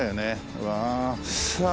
うわあ。